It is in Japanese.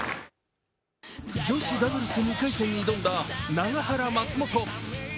女子ダブルス２回戦に挑んだ永原・松本。